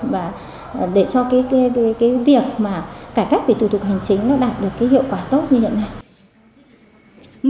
và để cho cái việc mà cải cách về thủ tục hành chính nó đạt được cái hiệu quả tốt như hiện nay